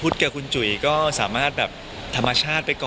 แต่ไม่ทำไม